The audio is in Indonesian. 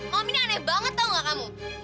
om ini aneh banget tau gak kamu